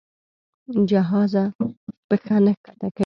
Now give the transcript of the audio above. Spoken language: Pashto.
جهازه پښه نه ښکته کوي.